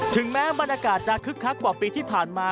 ถึงแม้บรรยากาศจะคึกคักกว่าปีที่ผ่านมา